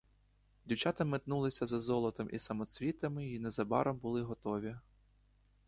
Дівчата метнулися за золотом і самоцвітами й незабаром були готові.